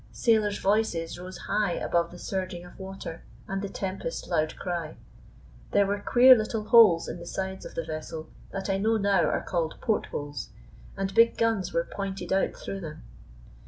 Sailors' voices rose high above the surging of water and the tempest's loud cry. There were queer little holes in the sides of the vessel that I know now are called "port holes," and big guns were pointed out through them.